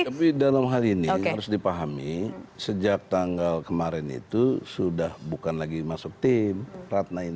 tapi dalam hal ini harus dipahami sejak tanggal kemarin itu sudah bukan lagi masuk tim ratna ini